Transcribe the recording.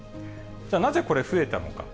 じゃあなぜ、これ増えたのか。